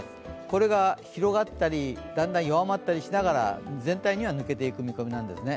これが広がったり、だんだん弱まったりしながら全体には抜けていく予報なんですね。